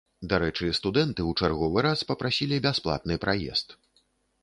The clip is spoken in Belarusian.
Дарэчы, студэнты ў чарговы раз папрасілі бясплатны праезд.